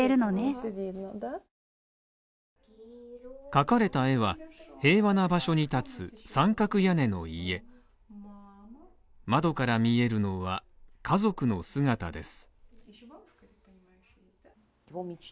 描かれた絵は平和な場所に立つ三角屋根の家窓から見えるのは家族の姿です。